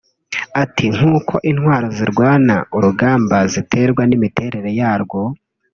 Ati “Nk’uko intwaro zirwana urugamba ziterwa n’imiterere yarwo